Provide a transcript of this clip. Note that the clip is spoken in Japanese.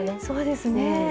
そうですね。